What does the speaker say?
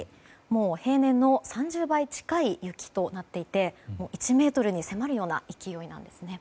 平年の３０倍近い雪となっていて１ｍに迫るような勢いなんですね。